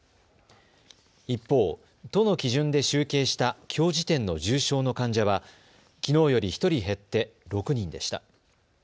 一方、都の基準で集計したきょう時点の重症の患者はきのうより１人減って６人でした。